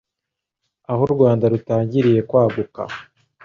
Aho u Rwanda rutangiriye kwaguka,